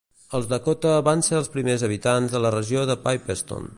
Els Dakota van ser els primers habitants de la regió de Pipestone.